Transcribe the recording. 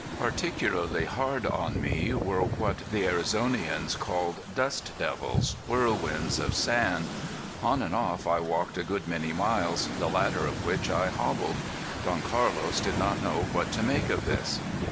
Particularly hard on me were what the Arizonians called dust devils, whirlwinds of sand. On and off I walked a good many miles, the latter of which I hobbled. Don Carlos did not know what to make of this.